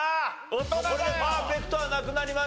これでパーフェクトはなくなりました。